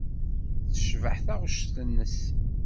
Tecbeḥ taɣect-nnes.